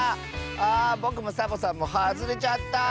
あぼくもサボさんもはずれちゃった。